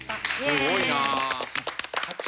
すごいなあ。